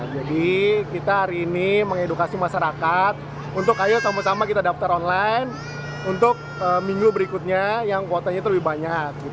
jadi kita hari ini mengedukasi masyarakat untuk ayo sama sama kita daftar online untuk minggu berikutnya yang kuotanya terlalu banyak